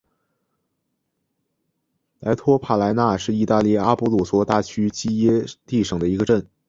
莱托帕莱纳是意大利阿布鲁佐大区基耶蒂省的一个镇。